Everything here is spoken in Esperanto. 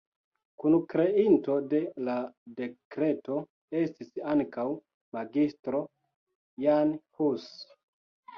Kunkreinto de la dekreto estis ankaŭ Magistro Jan Hus.